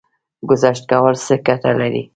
ګذشت کول څه ګټه لري؟